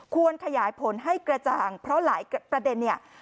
ควรขยายผลให้กระจ่างเพราะหลายประเด็นเนี่ย